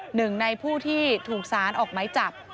หนึ่งในผู้ที่ถูกสารออกไหมจับ